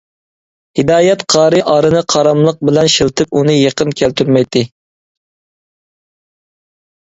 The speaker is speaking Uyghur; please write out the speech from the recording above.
ھىدايەت قارى ئارىنى قاراملىق بىلەن شىلتىپ ئۇنى يېقىن كەلتۈرمەيتتى.